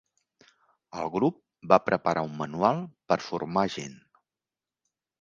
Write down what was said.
El grup va preparar un manual per formar gent.